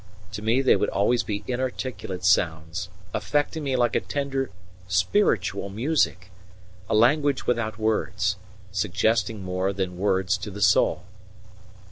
To me they would always be inarticulate sounds, affecting me like a tender spiritual music a language without words, suggesting more than words to the soul.